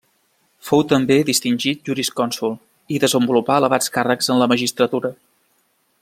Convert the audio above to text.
Fou també distingit jurisconsult i desenvolupà elevats càrrecs en la magistratura.